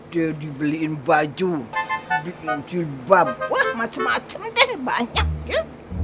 dia dibeliin baju beliin jilbab wah macem macem deh banyak ya